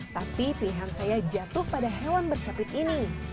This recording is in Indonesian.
tapi pilihan saya jatuh pada hewan bercapit ini